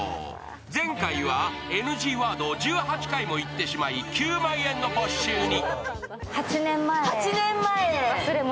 前回はＮＧワードを１８回も言ってしまい、９万円の没収に。